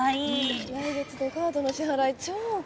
来月のカードの支払い超怖い。